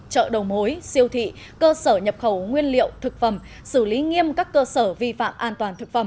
chợ đầu mối siêu thị cơ sở nhập khẩu nguyên liệu thực phẩm xử lý nghiêm các cơ sở vi phạm an toàn thực phẩm